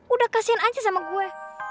udah kasihan aja sama gue